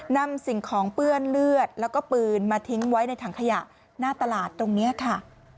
นำสิ่งของเปื้อนเลือดแล้วก็ปืนมาทิ้งไว้ในถังขยะหน้าตลาดตรงนี้ค่ะ